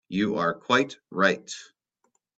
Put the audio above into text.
You are quite right.